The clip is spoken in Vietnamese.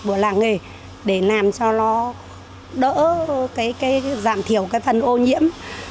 của làng nghề để làm cho nó đỡ cái giảm thiểu cái phần ô nhiễm